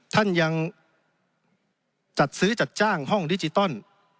ท่านยังจัดซื้อจัดจ้างห้องดิจิตอล